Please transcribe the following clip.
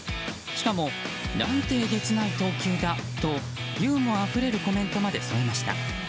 しかもなんてえげつない投球だ！とユーモアあふれるコメントまで添えました。